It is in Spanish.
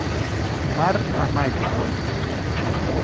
Mar a mayo.